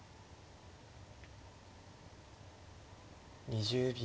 ２０秒。